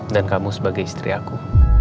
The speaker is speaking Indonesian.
dan kamu sebagai istri aku